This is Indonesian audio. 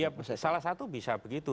ya salah satu bisa begitu